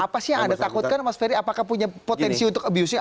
apa sih yang anda takutkan mas ferry apakah punya potensi untuk abusi